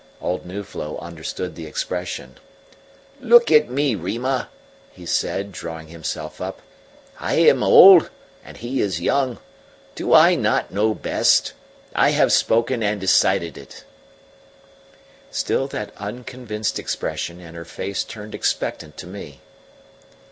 Old Nuflo understood the expression. "Look at me, Rima," he said, drawing himself up. "I am old, and he is young do I not know best? I have spoken and have decided it." Still that unconvinced expression, and her face turned expectant to me.